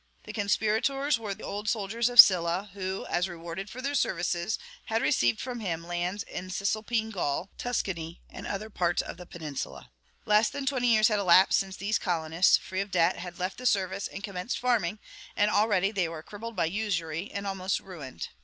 The conspirators were old soldiers of Sylla, who, as a reward for their services, had received from him lands in Cisalpine Gaul, Tuscany, and other parts of the peninsula Less than twenty years had elapsed since these colonists, free of debt, had left the service and commenced farming; and already they were crippled by usury, and almost ruined.